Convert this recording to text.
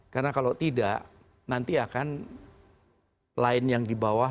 karena kalau tidak nanti akan lain yang di bawah